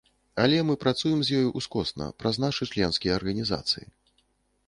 Але мы працуем з ёй ускосна праз нашы членскія арганізацыі.